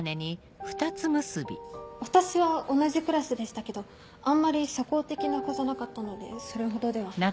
私は同じクラスでしたけどあんまり社交的な子じゃなかったのでそれほどでは。